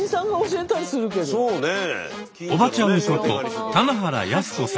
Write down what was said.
そうね。